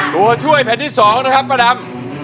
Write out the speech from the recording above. ตัวช่วยแผ่นที่๒นะครับป้าดำ